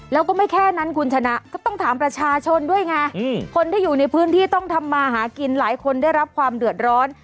แล้วก็ไม่แค่นั้นคุณชนะก็ต้องถามประชาชนด้วยไงคนที่อยู่ในพื้นที่ต้องทำมาหากินหลายคนได้รับความเดือดร้อน